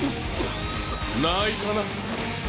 泣いたな？